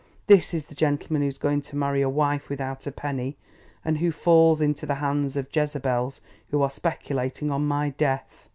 This is the gentleman who is going to marry a wife without a penny, and who falls into the hands of Jezabels who are speculating on my death!"